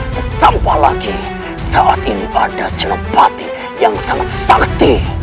dan tambah lagi saat ini ada senopati yang sangat sakti